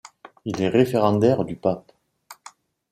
Il est référendaire du pape.